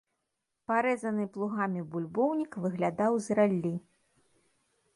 Парэзаны плугамі бульбоўнік выглядаў з раллі.